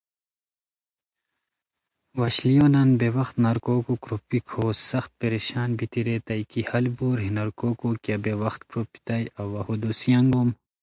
وشلیو نان بے وخت نرکوکو کروپھیکو سخت پریشان بیتی ریتائے کی ہال بور ہے نرکوکو کیہ بے وخت کروپھیتائے اوا ہو دوسی انگوم